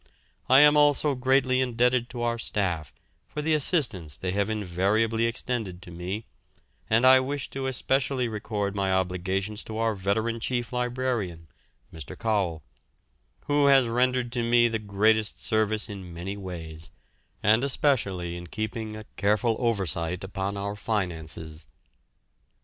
I am also greatly indebted to our staff for the assistance they have invariably extended to me, and I wish to especially record my obligations to our veteran chief librarian (Mr. Cowell), who has rendered to me the greatest service in many ways, and especially in keeping a careful oversight upon our finances.